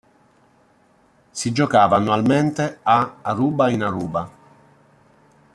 Si giocava annualmente a Aruba in Aruba.